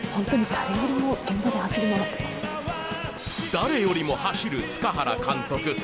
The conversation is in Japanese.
誰よりも走る塚原監督